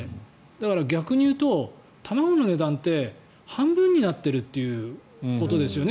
だから逆に言うと卵の値段って半分になっているということですよね。